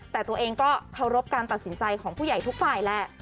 แต่ตัวเองก็เคารพการตัดสินใจของผู้ใหญ่ทุกฝ่ายแหละ